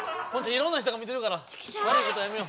いろんな人が見てるからわるいことやめよう。